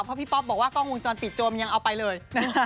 เพราะพี่ป๊อปบอกว่ากล้องวงจรปิดโจมยังเอาไปเลย